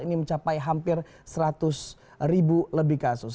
ini mencapai hampir seratus ribu lebih kasus